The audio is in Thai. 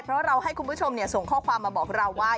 เพราะเราให้คุณผู้ชมส่งข้อความมาบอกเราว่า